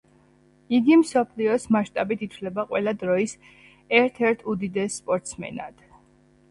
იგი მსოფლიოს მაშტაბით ითვლება ყველა დროის ერთ-ერთ უდიდეს სპორტსმენად.